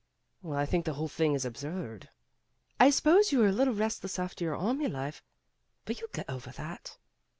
'' "Well, I think the whole thing is absurd. I suppose you are a little restless after your army life, but you'll get over that."